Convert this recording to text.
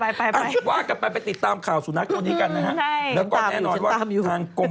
ไปไปไปว้ากันไปไปติดตามค่าวสู่นักหนี้กันนะฮะทำก่อนแน่นอนว่าก้ม